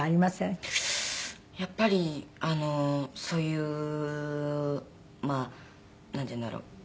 やっぱりそういうなんていうんだろう。